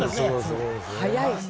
速い。